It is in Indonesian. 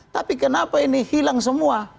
tapi kenapa ini hilang semua